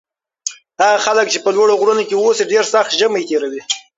هغه خلک چې په لوړو غرونو کې اوسي ډېر سخت ژمی تېروي.